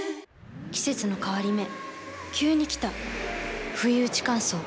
季節の変わり目急に来たふいうち乾燥。